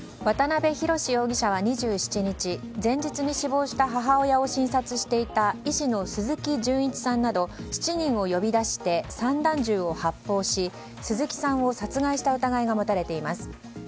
渡辺宏容疑者は２７日前日に死亡した母親を診察していた医師の鈴木純一さんなど７人を呼び出して散弾銃を発砲し、鈴木さんを殺害した疑いが持たれています。